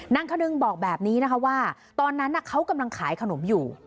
ขนึงบอกแบบนี้นะคะว่าตอนนั้นเขากำลังขายขนมอยู่